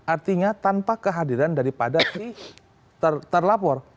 artinya tanpa kehadiran daripada si terlapor